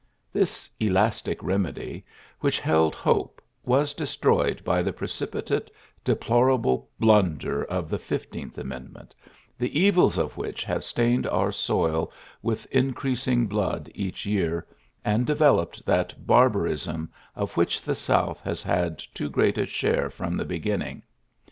This elastic remedy, which held pe, was destroyed by the precipitate plorable blunder of the Fifteenth mendment, the evils of which have lined our soil with increasing blood ch year, and developed that barbar n of which the South has had too eat a share from the beginning.